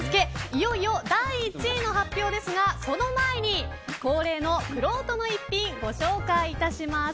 いよいよ第１位の発表ですがその前に、恒例のくろうとの逸品ご紹介いたします。